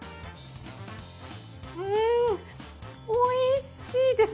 うんおいしいです